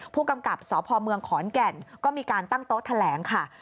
ผู้กำกับสพเมืองขอนแก่นก็มีการตั้งโต๊ะแถลงค่ะ